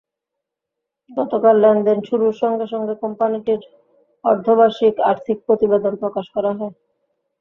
গতকাল লেনদেন শুরুর সঙ্গে সঙ্গে কোম্পানিটির অর্ধবার্ষিক আর্থিক প্রতিবেদন প্রকাশ করা হয়।